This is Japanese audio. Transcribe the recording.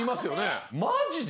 マジで？